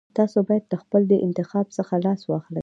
تاسو بايد له خپل دې انتخاب څخه لاس واخلئ.